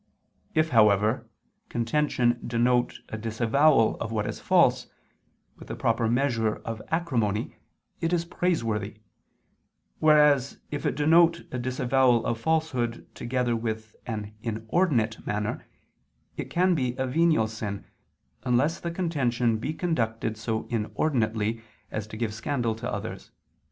If, however, contention denote a disavowal of what is false, with the proper measure of acrimony, it is praiseworthy: whereas, if it denote a disavowal of falsehood, together with an inordinate manner, it can be a venial sin, unless the contention be conducted so inordinately, as to give scandal to others.